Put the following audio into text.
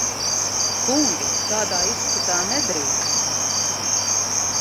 Kungi! Tādā izskatā nedrīkst.